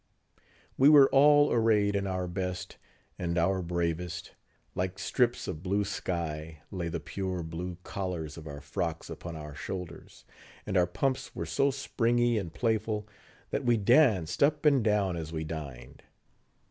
We were all arrayed in our best, and our bravest; like strips of blue sky, lay the pure blue collars of our frocks upon our shoulders; and our pumps were so springy and playful, that we danced up and down as we dined.